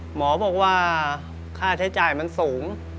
หมอบอกว่าค่าใช้จ่ายมันสูง